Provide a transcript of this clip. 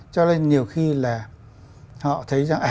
cho nên nhiều khi là họ thấy rằng